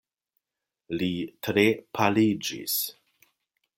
Li tre paliĝis.